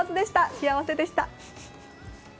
幸せでした。